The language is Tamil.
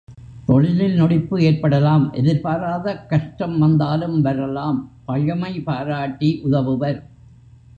தொழிலில் நொடிப்பு ஏற்படலாம் எதிர்பாராத கஷ்டம் வந்தாலும் வரலாம் பழைமை பாராட்டி உதவுவர்.